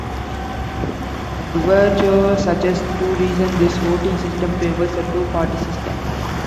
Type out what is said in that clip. Duverger suggests two reasons this voting system favors a two-party system.